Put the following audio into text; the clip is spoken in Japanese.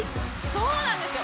そうなんですよ。